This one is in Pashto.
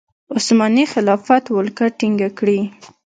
عثماني خلافت ولکه ټینګه کړي.